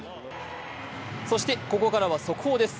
そして、ここからは速報です。